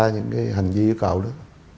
những hành vi yêu cầu đó